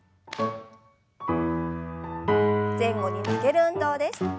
前後に曲げる運動です。